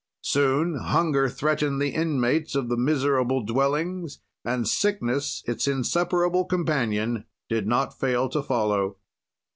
"Soon hunger threatened the inmates of the miserable dwellings, and sickness, its inseparable companion, did not fail to follow.